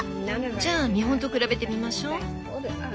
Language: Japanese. じゃあ見本と比べてみましょ。